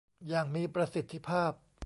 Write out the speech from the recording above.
อย่างมีประสิทธิภาพ